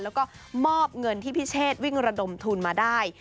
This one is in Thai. แล้วก็มอบเงินที่พิเชษวิ่งระดมทุนมาได้